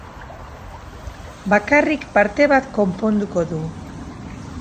Bakarrik parte bat konponduko du.